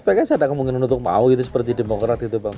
pks ada kemungkinan untuk mau gitu seperti demokrat gitu bang